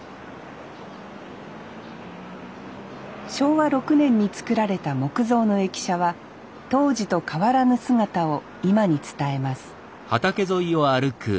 昭和６年に造られた木造の駅舎は当時と変わらぬ姿を今に伝えます